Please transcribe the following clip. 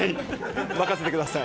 任せてください。